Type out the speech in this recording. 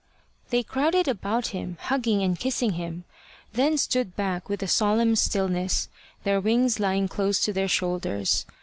They crowded about him, hugging and kissing him; then stood back with a solemn stillness, their wings lying close to their shoulders.